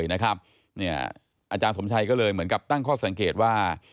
อาจารย์สมชัยก็เลยเหมือนกับตั้งข้อสังเกตว่า